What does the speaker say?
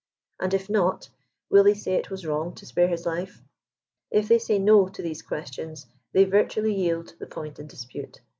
And if not, will they say it was wrong to spare his life ? If they say no to these questions, they virtually yield the pmnt in dispute.